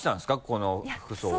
この服装は。